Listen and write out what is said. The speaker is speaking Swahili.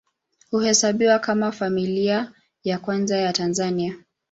Huhesabiwa kama Familia ya Kwanza ya Tanzania.